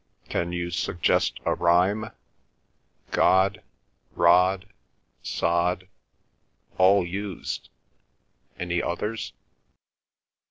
Can you suggest a rhyme? God, rod, sod—all used; any others?"